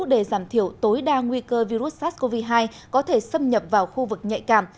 để giảm thiểu tối đa nguy cơ virus sars cov hai có thể xâm nhập vào khu vực nhạy cảm